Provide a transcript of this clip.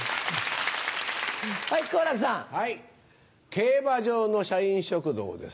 競馬場の社員食堂です。